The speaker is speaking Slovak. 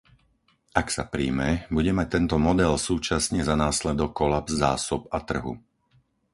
Ak sa prijme, bude mať tento model súčasne za následok kolaps zásob a trhu.